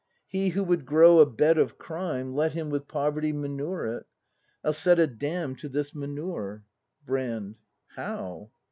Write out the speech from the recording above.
He who would grow a bed of crime. Let him with poverty manure it: I'll set a dam to this manure ! Brand. How?